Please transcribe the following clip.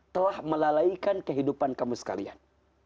telah melalaikan kehidupan kamu sekalian